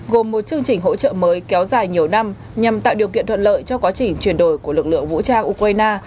gồm một chương trình hỗ trợ mới kéo dài nhiều năm nhằm tạo điều kiện thuận lợi cho quá trình chuyển đổi của lực lượng vũ trang ukraine